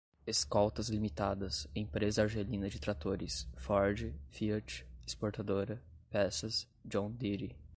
escoltas limitadas, empresa argelina de tratores, ford, fiat, exportadora, peças, john deere